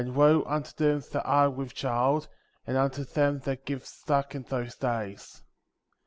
And woe unto them that are with child, and unto them that give suck in those days ; 17.